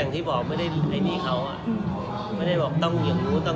แต่ว่าไม่ได้ต้องอย่างรู้